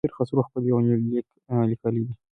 ناصر خسرو خپل يونليک ليکلی دی.